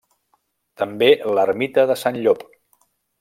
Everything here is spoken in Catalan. També l'ermita de Sant Llop.